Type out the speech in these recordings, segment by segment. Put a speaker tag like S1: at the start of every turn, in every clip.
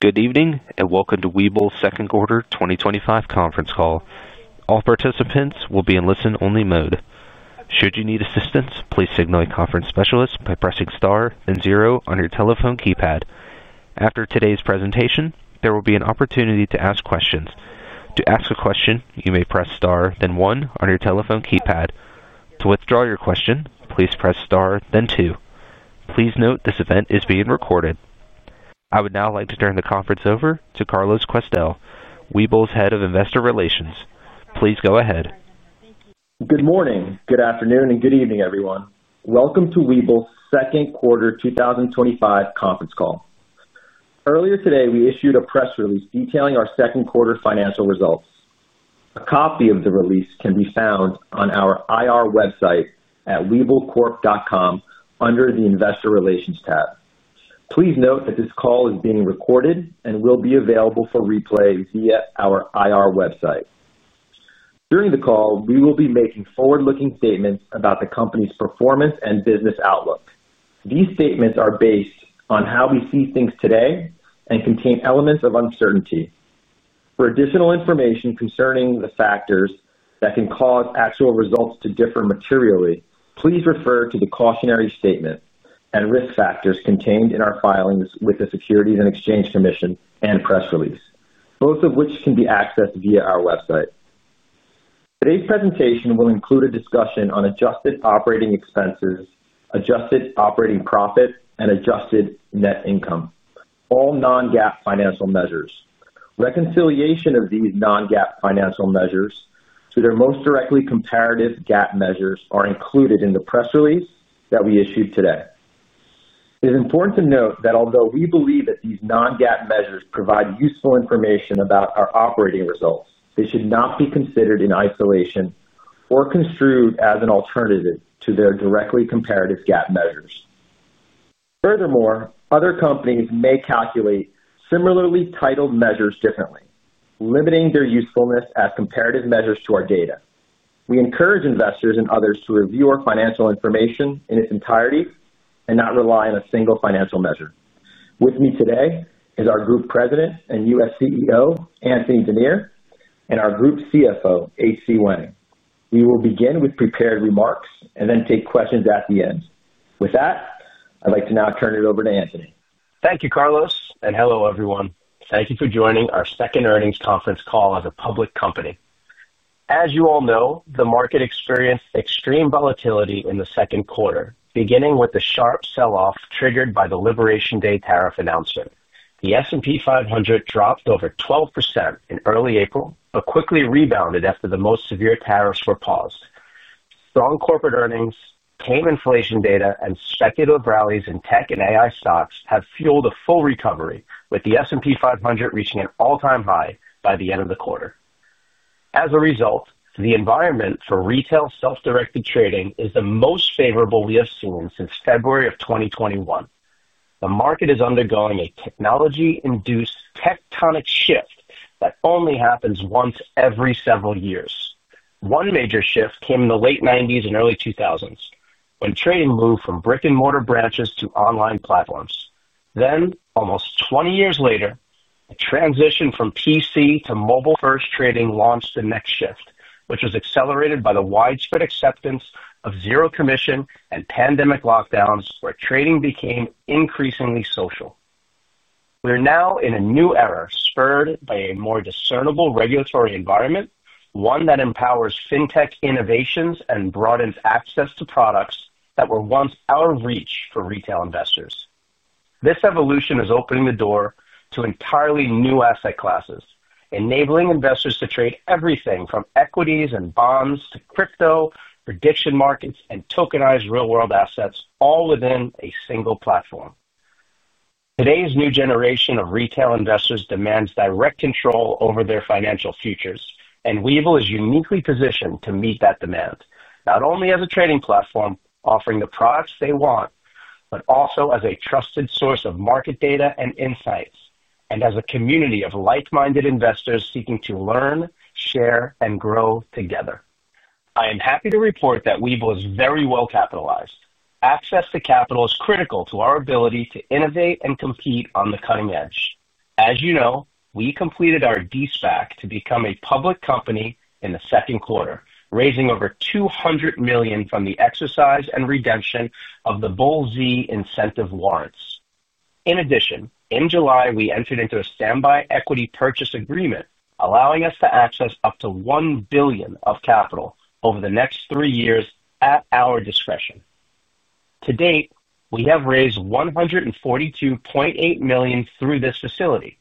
S1: Good evening and welcome to Webull's second quarter 2025 conference call. All participants will be in listen-only mode. Should you need assistance, please signal a conference specialist by pressing star and zero on your telephone keypad. After today's presentation, there will be an opportunity to ask questions. To ask a question, you may press star then one on your telephone keypad. To withdraw your question, please press star then two. Please note this event is being recorded. I would now like to turn the conference over to Carlos Questell, Webull's Head of Investor Relations. Please go ahead.
S2: Good morning, good afternoon, and good evening, everyone. Welcome to Webull's second quarter 2025 conference call. Earlier today, we issued a press release detailing our second quarter financial results. A copy of the release can be found on our IR website at webullcorp.com under the Investor Relations tab. Please note that this call is being recorded and will be available for replay via our IR website. During the call, we will be making forward-looking statements about the company's performance and business outlook. These statements are based on how we see things today and contain elements of uncertainty. For additional information concerning the factors that can cause actual results to differ materially, please refer to the cautionary statement and risk factors contained in our filings with the Securities and Exchange Commission and press release, both of which can be accessed via our website. Today's presentation will include a discussion on adjusted operating expenses, adjusted operating profits, and adjusted net income, all non-GAAP financial measures. Reconciliation of these non-GAAP financial measures to their most directly comparative GAAP measures are included in the press release that we issued today. It is important to note that although we believe that these non-GAAP measures provide useful information about our operating results, they should not be considered in isolation or construed as an alternative to their directly comparative GAAP measures. Furthermore, other companies may calculate similarly titled measures differently, limiting their usefulness as comparative measures to our data. We encourage investors and others to review our financial information in its entirety and not rely on a single financial measure. With me today is our Group President and US CEO, Anthony Denier, and our Group CFO, H. C. Wang. We will begin with prepared remarks and then take questions at the end. With that, I'd like to now turn it over to Anthony.
S3: Thank you, Carlos, and hello everyone. Thank you for joining our second earnings conference call at a public company. As you all know, the market experienced extreme volatility in the second quarter, beginning with the sharp sell-off triggered by the Liberation Day tariff announcement. The S&P 500 dropped over 12% in early April and quickly rebounded after the most severe tariffs were paused. Strong corporate earnings, tame inflation data, and speculative rallies in tech and AI stocks have fueled a full recovery, with the S&P 500 reaching an all-time high by the end of the quarter. As a result, the environment for retail self-directed trading is the most favorable we have seen since February of 2021. The market is undergoing a technology-induced tectonic shift that only happens once every several years. One major shift came in the late '90s and early 2000s, when trading moved from brick-and-mortar branches to online platforms. Almost 20 years later, the transition from PC to mobile-first trading launched the next shift, which was accelerated by the widespread acceptance of zero commission and pandemic lockdowns, where trading became increasingly social. We are now in a new era, spurred by a more discernible regulatory environment, one that empowers fintech innovations and broadens access to products that were once out of reach for retail investors. This evolution is opening the door to entirely new asset classes, enabling investors to trade everything from equities and bonds to crypto, prediction contracts, and tokenized real-world assets, all within a single platform. Today's new generation of retail investors demands direct control over their financial futures, and Webull is uniquely positioned to meet that demand, not only as a trading platform offering the products they want, but also as a trusted source of market data and insights, and as a community of like-minded investors seeking to learn, share, and grow together. I am happy to report that Webull is very well capitalized. Access to capital is critical to our ability to innovate and compete on the cutting edge. As you know, we completed our D-SPAC transaction to become a public company in the second quarter, raising over $200 million from the exercise and redemption of the Bull Z incentive warrants. In addition, in July, we entered into a standby equity purchase agreement, allowing us to access up to $1 billion of capital over the next three years at our discretion. To date, we have raised $142.8 million through this facility.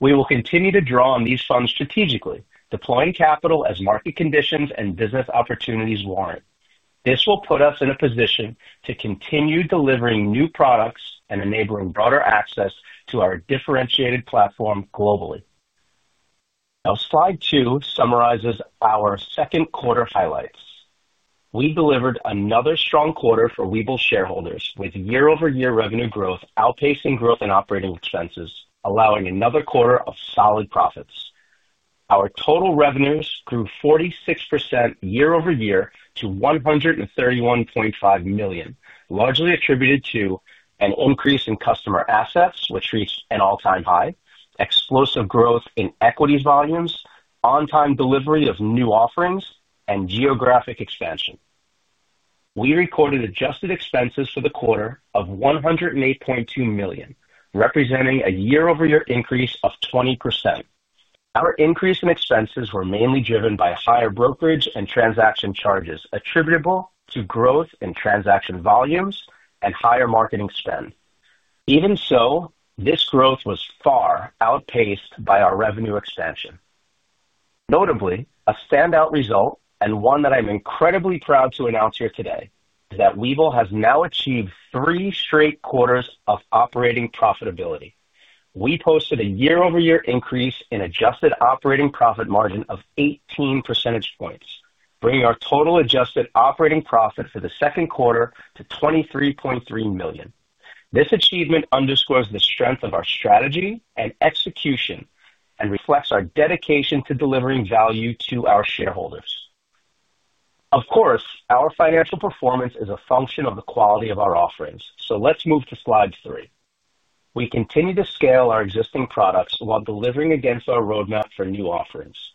S3: We will continue to draw on these funds strategically, deploying capital as market conditions and business opportunities warrant. This will put us in a position to continue delivering new products and enabling broader access to our differentiated platform globally. Now, slide two summarizes our second quarter highlights. We delivered another strong quarter for Webull shareholders, with year-over-year revenue growth outpacing growth in operating expenses, allowing another quarter of solid profits. Our total revenues grew 46% year-over-year to $131.5 million, largely attributed to an increase in customer assets, which reached an all-time high, explosive growth in equity volumes, on-time delivery of new offerings, and geographic expansion. We recorded adjusted expenses for the quarter of $108.2 million, representing a year-over-year increase of 20%. Our increase in expenses was mainly driven by higher brokerage and transaction charges attributable to growth in transaction volumes and higher marketing spend. Even so, this growth was far outpaced by our revenue expansion. Notably, a standout result, and one that I'm incredibly proud to announce here today, is that Webull has now achieved three straight quarters of operating profitability. We posted a year-over-year increase in adjusted operating profit margin of 18 percentage points, bringing our total adjusted operating profit for the second quarter to $23.3 million. This achievement underscores the strength of our strategy and execution and reflects our dedication to delivering value to our shareholders. Of course, our financial performance is a function of the quality of our offerings, so let's move to slide three. We continue to scale our existing products while delivering against our roadmap for new offerings.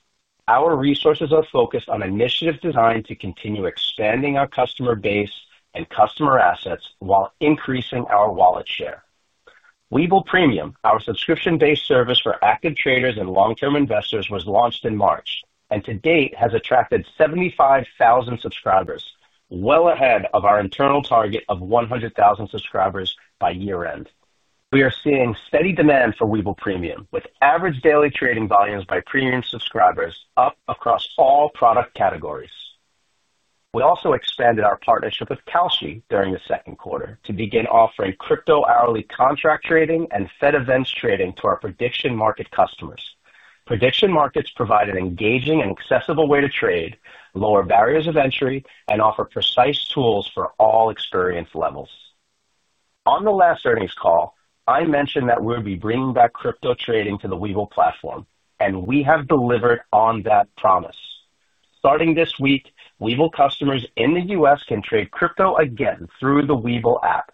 S3: Our resources are focused on initiatives designed to continue expanding our customer base and customer assets while increasing our wallet share. Webull Premium, our subscription-based service for active traders and long-term investors, was launched in March and to date has attracted 75,000 subscribers, well ahead of our internal target of 100,000 subscribers by year-end. We are seeing steady demand for Webull Premium, with average daily trading volumes by Premium subscribers up across all product categories. We also expanded our partnership with Kalshi during the second quarter to begin offering crypto hourly contract trading and Fed events trading to our prediction market customers. Prediction markets provide an engaging and accessible way to trade, lower barriers of entry, and offer precise tools for all experience levels. On the last earnings call, I mentioned that we would be bringing back crypto trading to the Webull platform, and we have delivered on that promise. Starting this week, Webull customers in the U.S. can trade crypto again through the Webull app.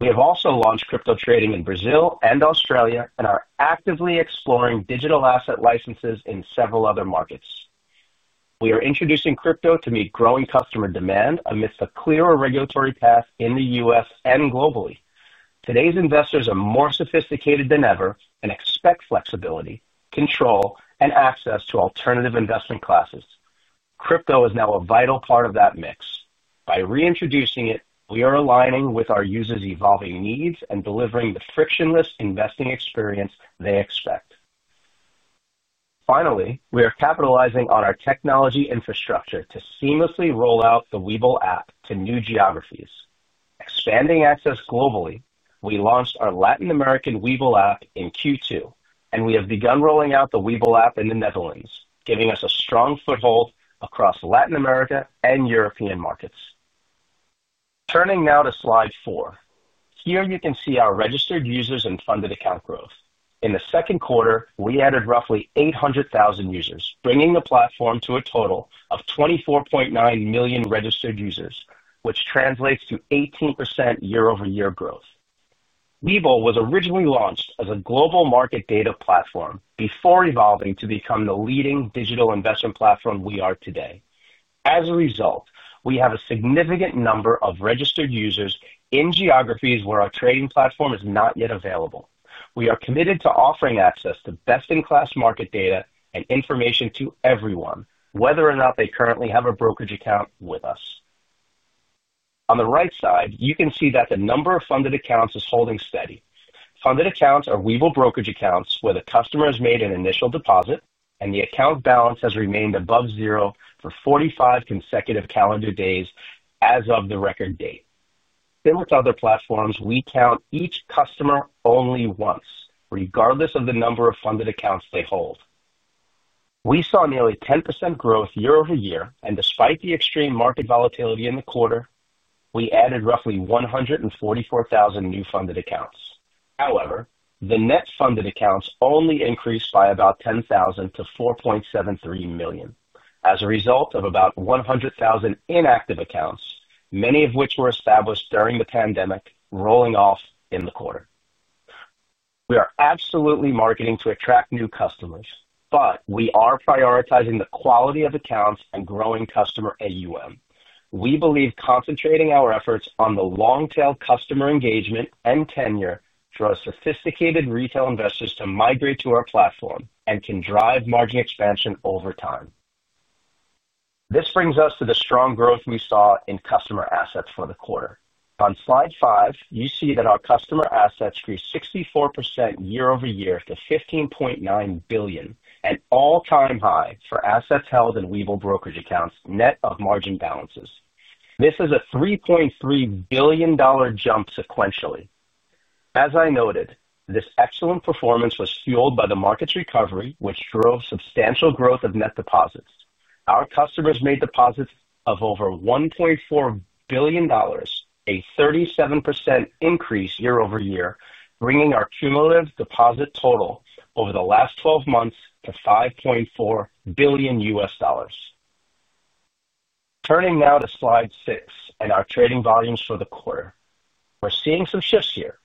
S3: We have also launched crypto trading in Brazil and Australia and are actively exploring digital asset licenses in several other markets. We are introducing crypto to meet growing customer demand amidst a clearer regulatory path in the U.S. and globally. Today's investors are more sophisticated than ever and expect flexibility, control, and access to alternative investment classes. Crypto is now a vital part of that mix. By reintroducing it, we are aligning with our users' evolving needs and delivering the frictionless investing experience they expect. Finally, we are capitalizing on our technology infrastructure to seamlessly roll out the Webull app to new geographies. Expanding access globally, we launched our Latin American Webull app in Q2, and we have begun rolling out the Webull app in the Netherlands, giving us a strong foothold across Latin America and European markets. Turning now to slide four, here you can see our registered users and funded account growth. In the second quarter, we added roughly 800,000 users, bringing the platform to a total of 24.9 million registered users, which translates to 18% year-over-year growth. Webull was originally launched as a global market data platform before evolving to become the leading digital investment platform we are today. As a result, we have a significant number of registered users in geographies where our trading platform is not yet available. We are committed to offering access to best-in-class market data and information to everyone, whether or not they currently have a brokerage account with us. On the right side, you can see that the number of funded accounts is holding steady. Funded accounts are Webull brokerage accounts where the customer has made an initial deposit and the account balance has remained above zero for 45 consecutive calendar days as of the record date. Similar to other platforms, we count each customer only once, regardless of the number of funded accounts they hold. We saw nearly 10% growth year-over-year, and despite the extreme market volatility in the quarter, we added roughly 144,000 new funded accounts. However, the net funded accounts only increased by about 10,000 to 4.73 million, as a result of about 100,000 inactive accounts, many of which were established during the pandemic, rolling off in the quarter. We are absolutely marketing to attract new customers, but we are prioritizing the quality of accounts and growing customer AUM. We believe concentrating our efforts on the long-tail customer engagement and tenure drives sophisticated retail investors to migrate to our platform and can drive margin expansion over time. This brings us to the strong growth we saw in customer assets for the quarter. On slide five, you see that our customer assets grew 64% year-over-year to $15.9 billion, an all-time high for assets held in Webull brokerage accounts net of margin balances. This is a $3.3 billion jump sequentially. As I noted, this excellent performance was fueled by the market's recovery, which drove substantial growth of net deposits. Our customers made deposits of over $1.4 billion, a 37% increase year-over-year, bringing our cumulative deposit total over the last 12 months to $5.4 billion US dollars. Turning now to slide six and our trading volumes for the quarter, we're seeing some shifts here.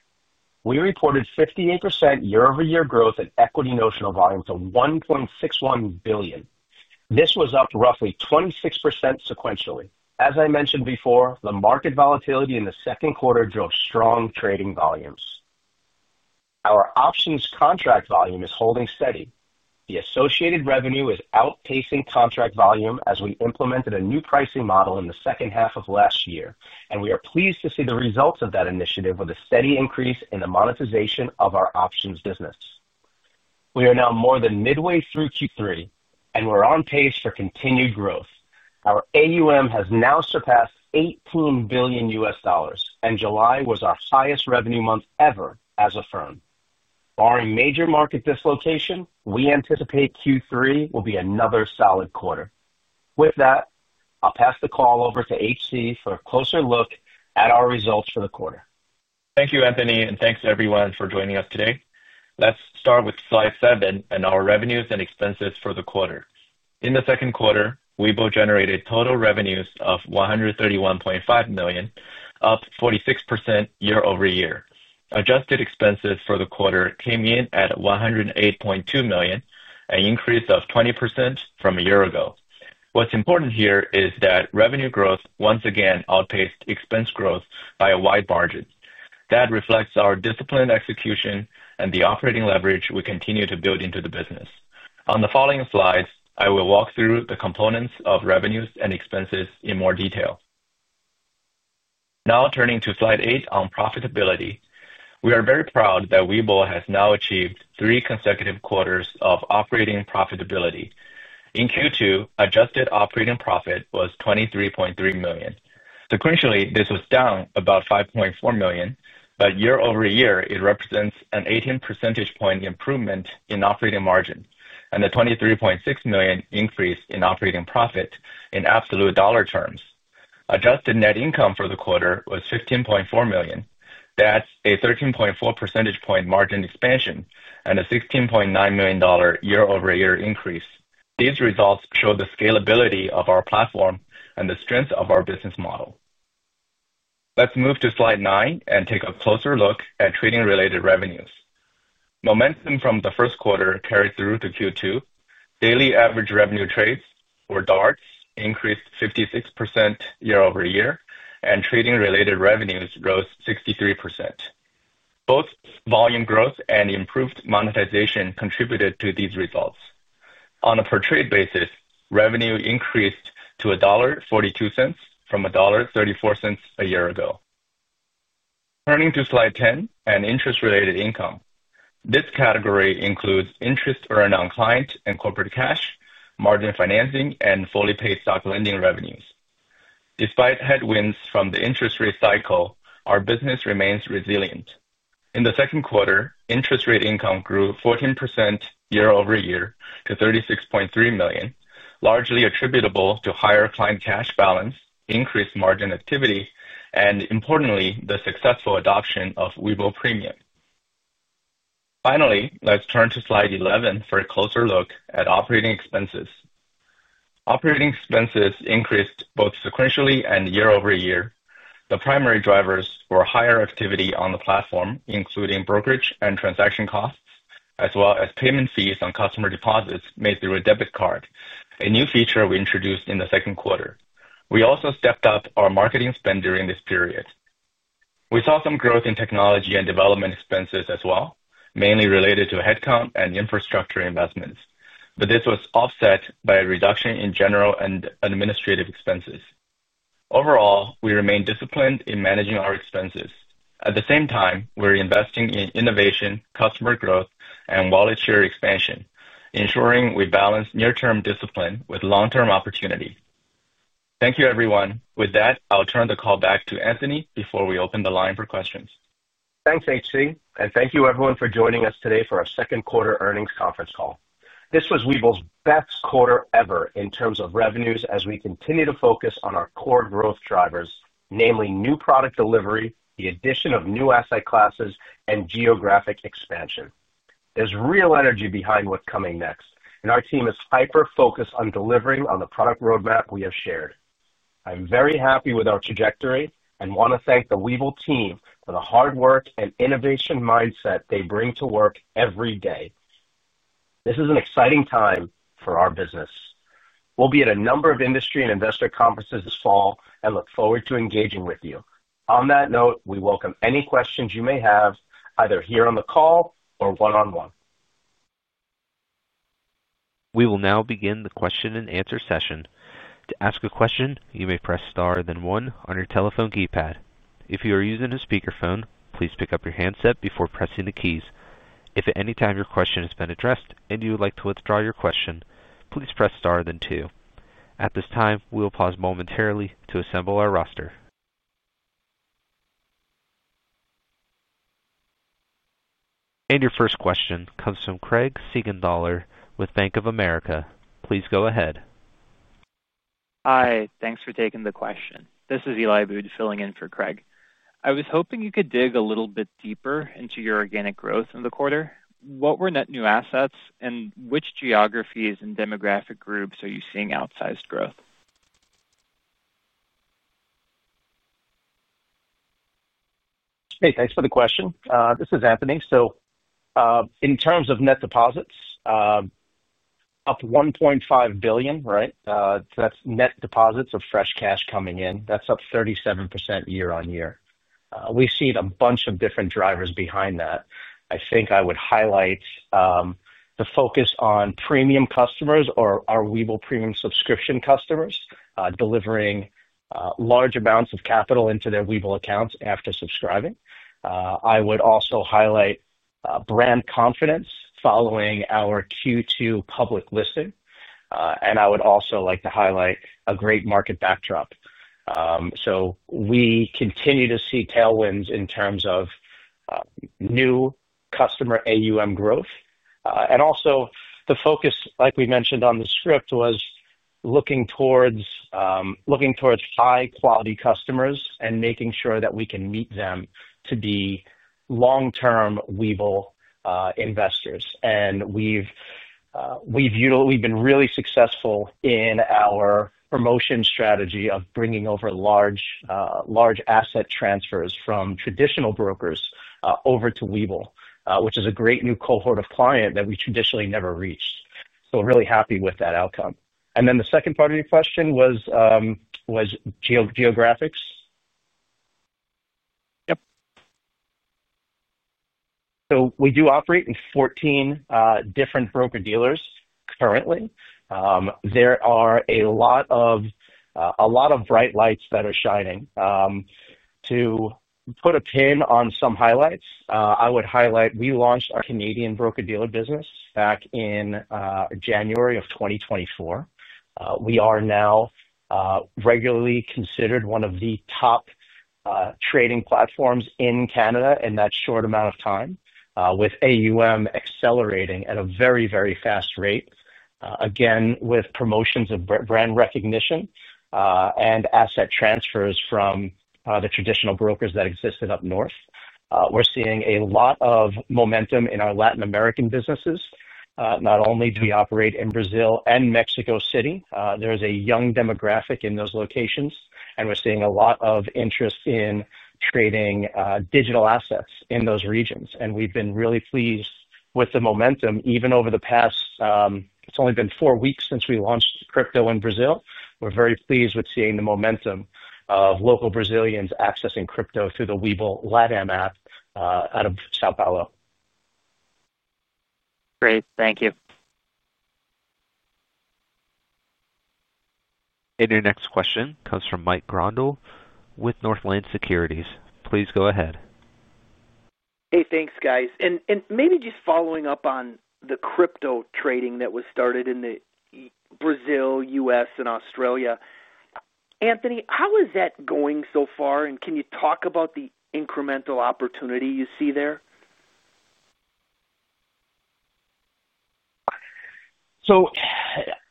S3: We reported 58% year-over-year growth in equity notional volumes of $1.61 billion. This was up roughly 26% sequentially. As I mentioned before, the market volatility in the second quarter drove strong trading volumes. Our options contract volume is holding steady. The associated revenue is outpacing contract volume as we implemented a new pricing model in the second half of last year, and we are pleased to see the results of that initiative with a steady increase in the monetization of our options business. We are now more than midway through Q3, and we're on pace for continued growth. Our AUM has now surpassed $18 billion US dollars, and July was our highest revenue month ever as a firm. Barring major market dislocation, we anticipate Q3 will be another solid quarter. With that, I'll pass the call over to H. C. for a closer look at our results for the quarter.
S4: Thank you, Anthony, and thanks to everyone for joining us today. Let's start with slide seven and our revenues and expenses for the quarter. In the second quarter, Webull generated total revenues of $131.5 million, up 46% year-over-year. Adjusted expenses for the quarter came in at $108.2 million, an increase of 20% from a year ago. What's important here is that revenue growth once again outpaced expense growth by a wide margin. That reflects our disciplined execution and the operating leverage we continue to build into the business. On the following slides, I will walk through the components of revenues and expenses in more detail. Now turning to slide eight on profitability, we are very proud that Webull has now achieved three consecutive quarters of operating profitability. In Q2, adjusted operating profit was $23.3 million. Sequentially, this was down about $5.4 million, but year-over-year it represents an 18% improvement in operating margin and a $23.6 million increase in operating profit in absolute dollar terms. Adjusted net income for the quarter was $15.4 million. That's a 13.4% margin expansion and a $16.9 million year-over-year increase. These results show the scalability of our platform and the strength of our business model. Let's move to slide nine and take a closer look at trading-related revenues. Momentum from the first quarter carried through to Q2. Daily average revenue trades, or DARTs, increased 56% year-over-year, and trading-related revenues rose 63%. Both volume growth and improved monetization contributed to these results. On a per-trade basis, revenue increased to $1.42 from $1.34 a year ago. Turning to slide 10 and interest-related income, this category includes interest earned on client and corporate cash, margin financing, and fully paid stock lending revenues. Despite headwinds from the interest rate cycle, our business remains resilient. In the second quarter, interest rate income grew 14% year-over-year to $36.3 million, largely attributable to higher client cash balance, increased margin activity, and importantly, the successful adoption of Webull Premium. Finally, let's turn to slide 11 for a closer look at operating expenses. Operating expenses increased both sequentially and year-over-year. The primary drivers were higher activity on the platform, including brokerage and transaction costs, as well as payment fees on customer deposits made through a debit card, a new feature we introduced in the second quarter. We also stepped up our marketing spend during this period. We saw some growth in technology and development expenses as well, mainly related to headcount and infrastructure investments, but this was offset by a reduction in general and administrative expenses. Overall, we remain disciplined in managing our expenses. At the same time, we're investing in innovation, customer growth, and volunteer expansion, ensuring we balance near-term discipline with long-term opportunity. Thank you, everyone. With that, I'll turn the call back to Anthony before we open the line for questions.
S3: Thanks, H. C., and thank you everyone for joining us today for our second quarter earnings conference call. This was Webull's best quarter ever in terms of revenues as we continue to focus on our core growth drivers, namely new product delivery, the addition of new asset classes, and geographic expansion. There's real energy behind what's coming next, and our team is hyper-focused on delivering on the product roadmap we have shared. I'm very happy with our trajectory and want to thank the Webull team for the hard work and innovation mindset they bring to work every day. This is an exciting time for our business. We'll be at a number of industry and investor conferences this fall and look forward to engaging with you. On that note, we welcome any questions you may have, either here on the call or one-on-one.
S1: We will now begin the question and answer session. To ask a question, you may press star then one on your telephone keypad. If you are using a speakerphone, please pick up your handset before pressing the keys. If at any time your question has been addressed and you would like to withdraw your question, please press star then two. At this time, we will pause momentarily to assemble our roster. And your first question comes from Craig Siegenthaler with Bank of America. Please go ahead.
S5: Hi, thanks for taking the question. This is Elias Noah Abboud filling in for Craig. I was hoping you could dig a little bit deeper into your organic growth in the quarter. What were net new assets, and which geographies and demographic groups are you seeing outsized growth?
S3: Hey, thanks for the question. This is Anthony. In terms of net deposits, up $1.5 billion, right? That's net deposits of fresh cash coming in. That's up 37% year-on-year. We've seen a bunch of different drivers behind that. I think I would highlight the focus on premium customers or our Webull Premium subscription customers delivering large amounts of capital into their Webull accounts after subscribing. I would also highlight brand confidence following our Q2 public listing. I would also like to highlight a great market backdrop. We continue to see tailwinds in terms of new customer AUM growth. Also, the focus, like we mentioned on the script, was looking towards high-quality customers and making sure that we can meet them to be long-term Webull investors. We've been really successful in our promotion strategy of bringing over large asset transfers from traditional brokers over to Webull, which is a great new cohort of clients that we traditionally never reached. We're really happy with that outcome. The second part of your question was geographics?
S5: Yep.
S3: We do operate in 14 different broker-dealers currently. There are a lot of bright lights that are shining. To put a pin on some highlights, I would highlight we launched our Canadian broker-dealer business back in January 2024. We are now regularly considered one of the top trading platforms in Canada in that short amount of time, with AUM accelerating at a very, very fast rate. With promotions of brand recognition and asset transfers from the traditional brokers that existed up north, we're seeing a lot of momentum in our Latin American businesses. Not only do we operate in Brazil and Mexico City, there's a young demographic in those locations, and we're seeing a lot of interest in trading digital assets in those regions. We've been really pleased with the momentum, even over the past, it's only been four weeks since we launched crypto in Brazil. We're very pleased with seeing the momentum of local Brazilians accessing crypto through the Webull LATAM app out of São Paulo.
S5: Great, thank you.
S1: Your next question comes from Michael John Grondahl with Northland Securities. Please go ahead.
S6: Hey, thanks guys. Maybe just following up on the crypto trading that was started in Brazil, U.S., and Australia. Anthony, how is that going so far? Can you talk about the incremental opportunity you see there?
S3: So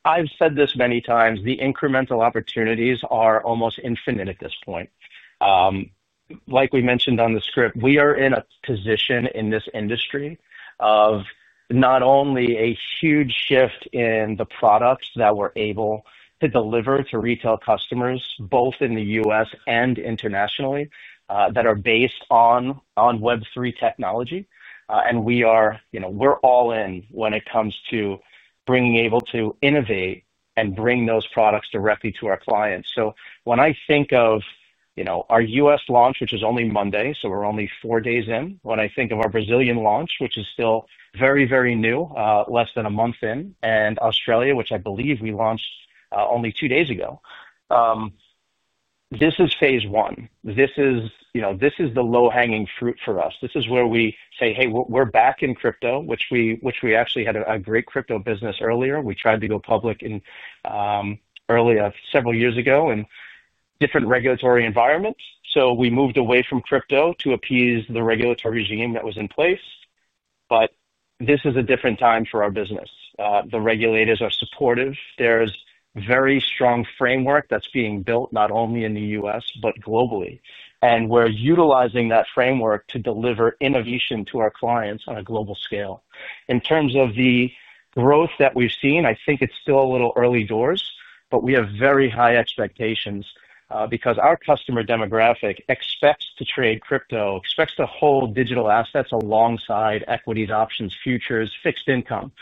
S3: I've said this many times, the incremental opportunities are almost infinite at this point. Like we mentioned on the script, we are in a position in this industry of not only a huge shift in the products that we're able to deliver to retail customers, both in the U.S. and internationally, that are based on Web3 technology. And we are all in when it comes to being able to innovate and bring those products directly to our clients. When I think of our U.S. launch, which is only Monday, so we're only four days in, our Brazilian launch, which is still very, very new, less than a month in, and Australia, which I believe we launched only two days ago, this is phase one. This is the low-hanging fruit for us. This is where we say, hey, we're back in crypto, which we actually had a great crypto business earlier. We tried to go public early several years ago in different regulatory environments. We moved away from crypto to appease the regulatory regime that was in place. This is a different time for our business. The regulators are supportive. There's a very strong framework that's being built not only in the U.S., but globally. We're utilizing that framework to deliver innovation to our clients on a global scale. In terms of the growth that we've seen, I think it's still a little early doors, but we have very high expectations because our customer demographic expects to trade crypto, expects to hold digital assets alongside equities, options, futures, fixed income.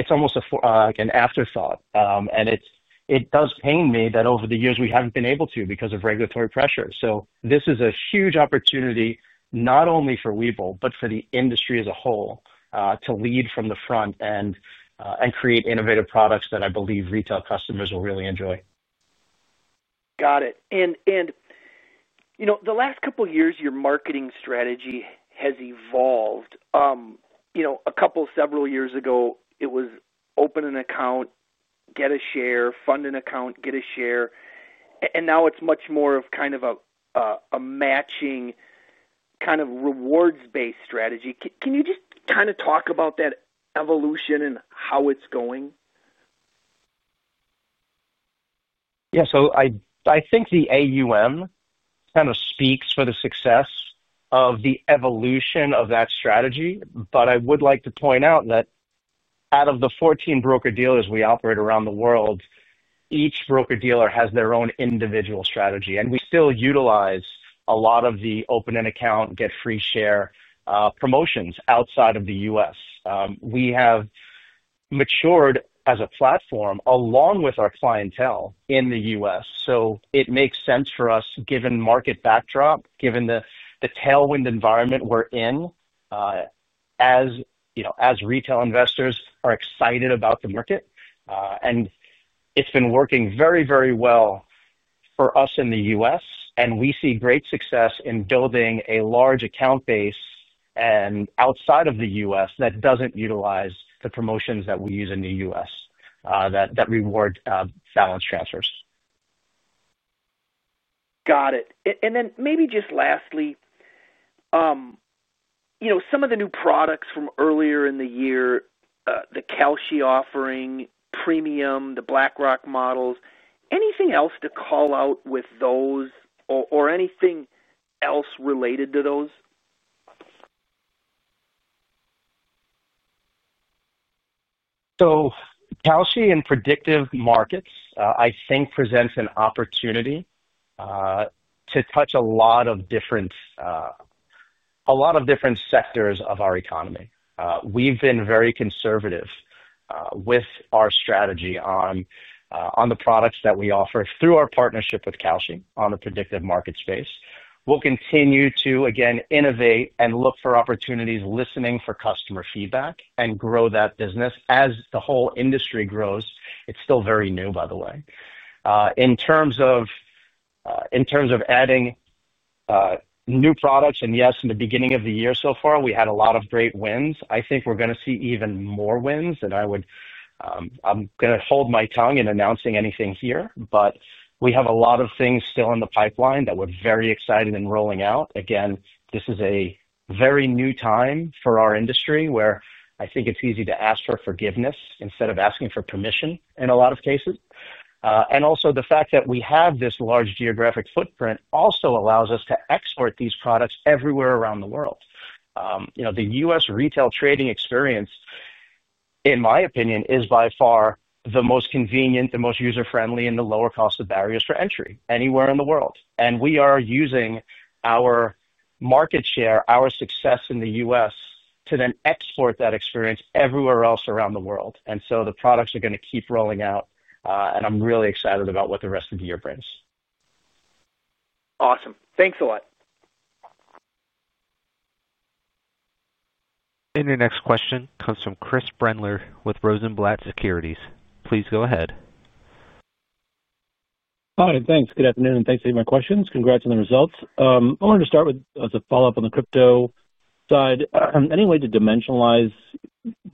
S3: It's almost like an afterthought. It does pain me that over the years we haven't been able to because of regulatory pressure. So this is a huge opportunity not only for Webull, but for the industry as a whole to lead from the front and create innovative products that I believe retail customers will really enjoy.
S6: Got it. The last couple of years, your marketing strategy has evolved. A couple, several years ago, it was open an account, get a share, fund an account, get a share. Now it's much more of a matching kind of rewards-based strategy. Can you just talk about that evolution and how it's going?
S3: Yeah, I think the AUM kind of speaks for the success of the evolution of that strategy. I would like to point out that out of the 14 broker-dealers we operate around the world, each broker-dealer has their own individual strategy. We still utilize a lot of the open an account, get free share promotions outside of the U.S. We have matured as a platform along with our clientele in the U.S. It makes sense for us, given the market backdrop, given the tailwind environment we're in, as retail investors are excited about the market. It's been working very, very well for us in the U.S. We see great success in building a large account base outside of the U.S. that doesn't utilize the promotions that we use in the U.S. that reward balance transfers.
S6: Got it. Maybe just lastly, you know, some of the new products from earlier in the year, the Kalshi offering, Webull Premium, the BlackRock models, anything else to call out with those or anything else related to those?
S3: Kalshi in predictive markets, I think, presents an opportunity to touch a lot of different sectors of our economy. We've been very conservative with our strategy on the products that we offer through our partnership with Kalshi on the predictive market space. We'll continue to, again, innovate and look for opportunities, listening for customer feedback, and grow that business as the whole industry grows. It's still very new, by the way. In terms of adding new products, yes, in the beginning of the year so far, we had a lot of great wins. I think we're going to see even more wins, and I'm going to hold my tongue in announcing anything here, but we have a lot of things still in the pipeline that we're very excited in rolling out. This is a very new time for our industry where I think it's easy to ask for forgiveness instead of asking for permission in a lot of cases. Also, the fact that we have this large geographic footprint allows us to export these products everywhere around the world. The U.S. retail trading experience, in my opinion, is by far the most convenient, the most user-friendly, and the lower cost of barriers for entry anywhere in the world. We are using our market share, our success in the U.S., to then export that experience everywhere else around the world. The products are going to keep rolling out, and I'm really excited about what the rest of the year brings.
S6: Awesome. Thanks a lot.
S1: Your next question comes from Christopher Charles Brendler with Rosenblatt Securities. Please go ahead.
S7: Hi, thanks. Good afternoon, and thanks for your questions. Congrats on the results. I wanted to start with a follow-up on the crypto side. Any way to dimensionalize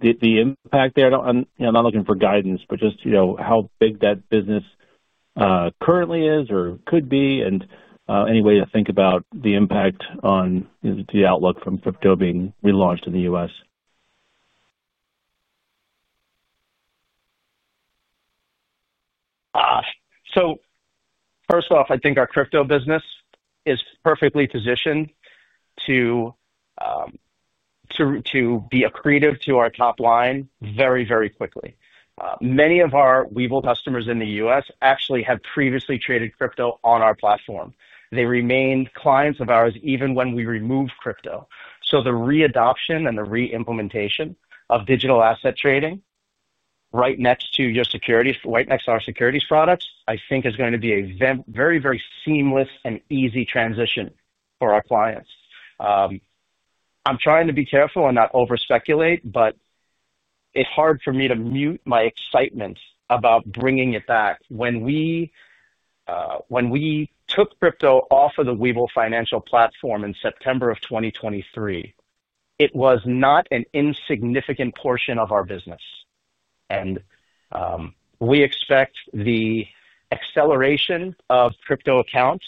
S7: the impact there? I'm not looking for guidance, but just, you know, how big that business currently is or could be, and any way to think about the impact on the outlook from crypto being relaunched in the U.S.?
S3: First of all I think our crypto business is perfectly positioned to be accretive to our top line very, very quickly. Many of our Webull customers in the U.S. actually have previously traded crypto on our platform. They remained clients of ours even when we removed crypto. The readoption and the reimplementation of digital asset trading right next to your securities, right next to our securities products, I think is going to be a very, very seamless and easy transition for our clients. I'm trying to be careful and not overspeculate, but it's hard for me to mute my excitement about bringing it back. When we took crypto off of the Webull financial platform in September 2023, it was not an insignificant portion of our business. We expect the acceleration of crypto accounts.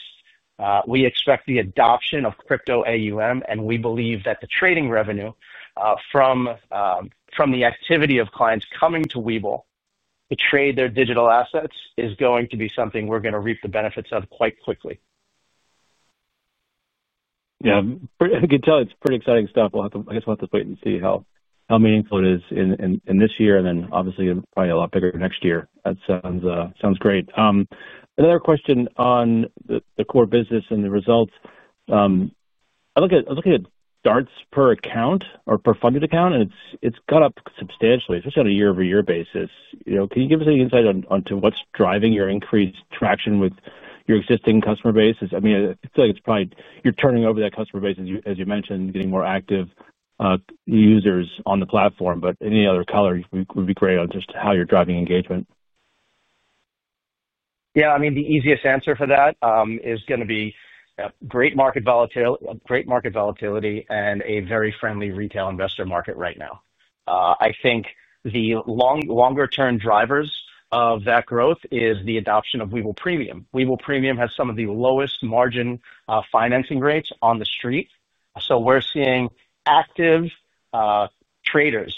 S3: We expect the adoption of crypto AUM, and we believe that the trading revenue from the activity of clients coming to Webull to trade their digital assets is going to be something we're going to reap the benefits of quite quickly.
S7: Yeah, I can tell it's pretty exciting stuff. I guess we'll have to wait and see how meaningful it is in this year, and then obviously probably a lot bigger next year. That sounds great. Another question on the core business and the results. I'm looking at DARTs per account or per funded account, and it's gone up substantially, especially on a year-over-year basis. Can you give us any insight on what's driving your increased traction with your existing customer base? I mean, I feel like it's probably you're turning over that customer base, as you mentioned, getting more active users on the platform, but any other color would be great on just how you're driving engagement.
S3: Yeah, I mean, the easiest answer for that is going to be great market volatility and a very friendly retail investor market right now. I think the longer-term drivers of that growth is the adoption of Webull Premium. Webull Premium has some of the lowest margin financing rates on the street. We are seeing active traders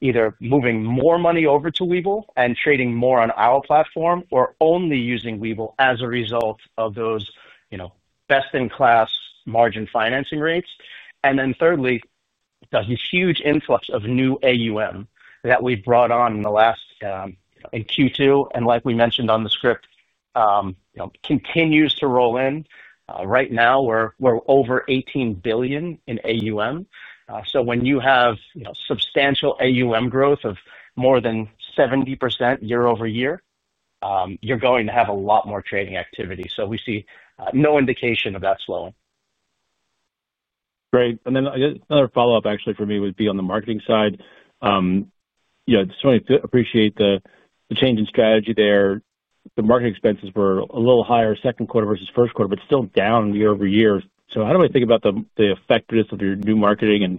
S3: either moving more money over to Webull and trading more on our platform or only using Webull as a result of those best-in-class margin financing rates. Thirdly, there's a huge influx of new AUM that we brought on in Q2. Like we mentioned on the script, it continues to roll in. Right now, we're over $18 billion in AUM. When you have substantial AUM growth of more than 70% year-over-year, you're going to have a lot more trading activity. We see no indication of that slowing.
S7: Great. I guess another follow-up actually for me would be on the marketing side. I just want to appreciate the change in strategy there. The marketing expenses were a little higher second quarter versus first quarter, but still down year-over-year. So how do I think about the effectiveness of your new marketing?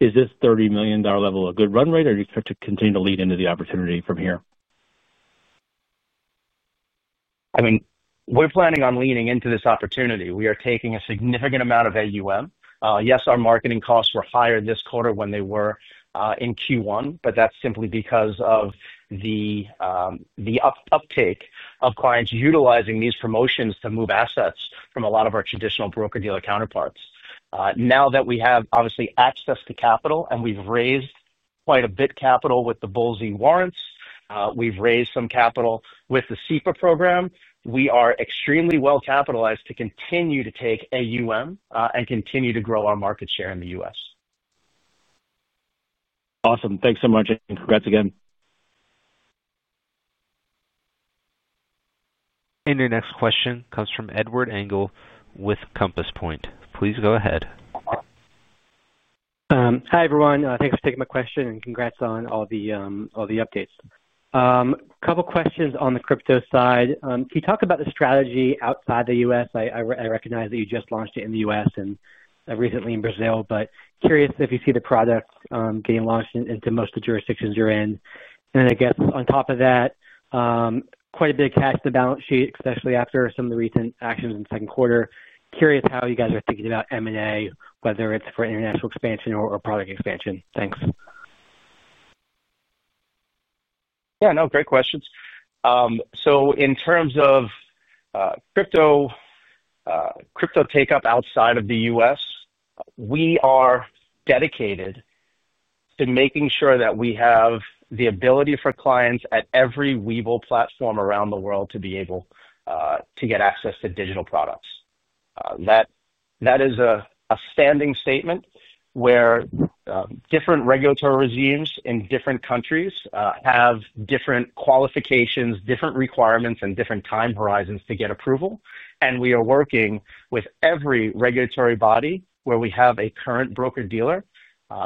S7: Is this $30 million level a good run rate, or do you expect to continue to lean into the opportunity from here?
S3: We're planning on leaning into this opportunity. We are taking a significant amount of AUM. Yes, our marketing costs were higher this quarter than they were in Q1, but that's simply because of the uptake of clients utilizing these promotions to move assets from a lot of our traditional broker-dealer counterparts. Now that we have obviously access to capital and we've raised quite a bit of capital with the BULLZ warrants, we've raised some capital with the SEPA program. We are extremely well capitalized to continue to take AUM and continue to grow our market share in the U.S.
S7: Awesome. Thanks so much, and congrats again.
S1: Your next question comes from Edward Lee Engel with Compass Point. Please go ahead.
S8: Hi everyone. Thanks for taking my question and congrats on all the updates. A couple of questions on the crypto side. Can you talk about the strategy outside the U.S.? I recognize that you just launched it in the U.S. and recently in Brazil, but curious if you see the product getting launched into most of the jurisdictions you're in. I guess on top of that, quite a bit of cash to the balance sheet, especially after some of the recent actions in the second quarter. Curious how you guys are thinking about M&A, whether it's for international expansion or product expansion. Thanks.
S3: Yeah, great questions. In terms of crypto takeup outside of the U.S., we are dedicated to making sure that we have the ability for clients at every Webull platform around the world to be able to get access to digital products. That is a standing statement where different regulatory regimes in different countries have different qualifications, different requirements, and different time horizons to get approval. We are working with every regulatory body where we have a current broker-dealer,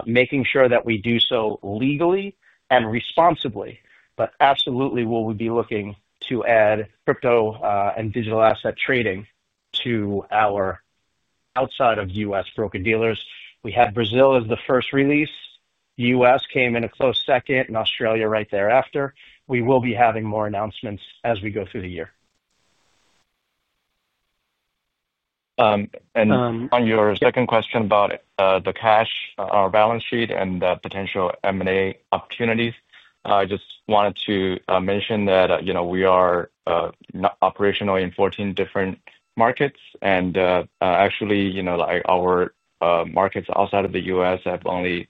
S3: making sure that we do so legally and responsibly. Absolutely, we will be looking to add crypto and digital asset trading to our outside-of-U.S. broker-dealers. We had Brazil as the first release. The U.S. came in a close second and Australia right thereafter. We will be having more announcements as we go through the year.
S4: On your second question about the cash on our balance sheet and the potential M&A opportunities, I just wanted to mention that we are operationally in 14 different markets. Our markets outside of the U.S. have only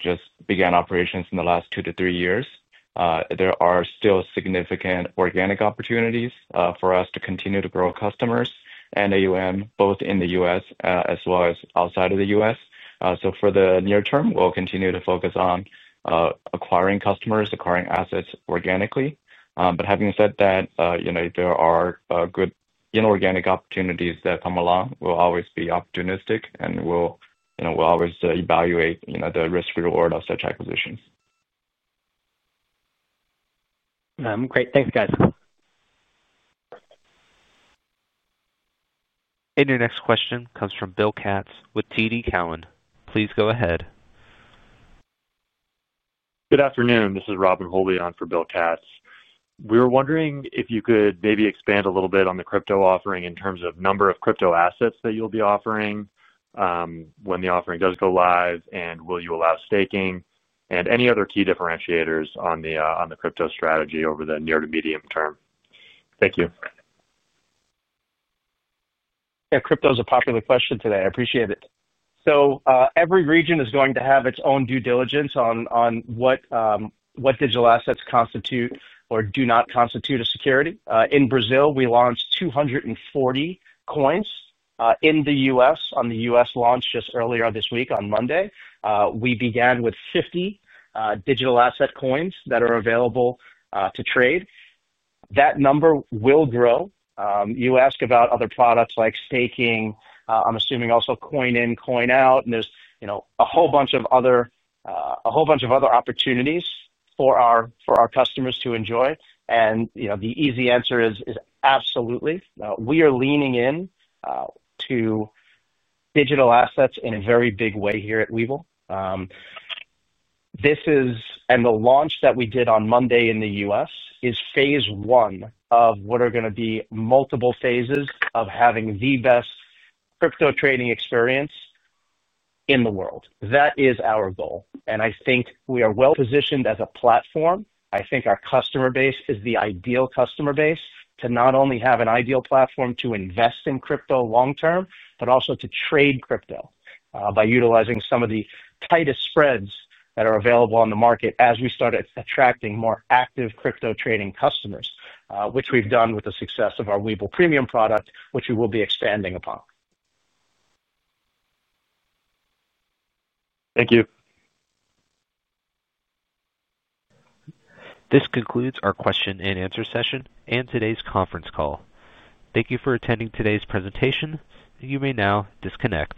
S4: just begun operations in the last two to three years. There are still significant organic opportunities for us to continue to grow customers and AUM both in the U.S. as well as outside of the U.S. For the near term, we'll continue to focus on acquiring customers, acquiring assets organically. Having said that, if there are good organic opportunities that come along, we'll always be opportunistic and we'll always evaluate the risk-reward of such acquisitions.
S8: Great, thanks guys.
S1: Your next question comes from Bill Katz with TD Cowen. Please go ahead.
S9: Good afternoon, this is Robin Holby on for Bill Katz. We were wondering if you could maybe expand a little bit on the crypto offering in terms of the number of crypto assets that you'll be offering when the offering does go live, and will you allow staking and any other key differentiators on the crypto strategy over the near to medium term? Thank you.
S3: Yeah, crypto is a popular question today. I appreciate it. Every region is going to have its own due diligence on what digital assets constitute or do not constitute a security. In Brazil, we launched 240 coins. In the U.S., on the U.S. launch just earlier this week on Monday, we began with 50 digital asset coins that are available to trade. That number will grow. You ask about other products like staking. I'm assuming also Coin In, Coin Out, and there's a whole bunch of other opportunities for our customers to enjoy. The easy answer is absolutely. We are leaning into digital assets in a very big way here at Webull. The launch that we did on Monday in the U.S. is phase one of what are going to be multiple phases of having the best crypto trading experience in the world. That is our goal. I think we are well positioned as a platform. I think our customer base is the ideal customer base to not only have an ideal platform to invest in crypto long term, but also to trade crypto by utilizing some of the tightest spreads that are available on the market as we start attracting more active crypto trading customers, which we've done with the success of our Webull Premium product, which we will be expanding upon.
S9: Thank you.
S1: This concludes our question and answer session and today's conference call. Thank you for attending today's presentation. You may now disconnect.